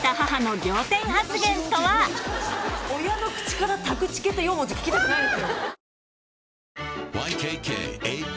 親の口からタクチケって４文字聞きたくないですよ。